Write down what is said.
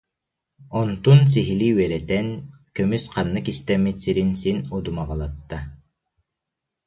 Онтун сиһилии үөрэтэн, көмүс ханна кистэммит сирин син удумаҕалатта